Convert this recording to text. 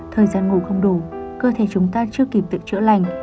thời gian ngủ không đủ cơ thể chúng ta chưa kịp tự chữa lành